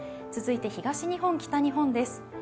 続いて東日本、北日本です。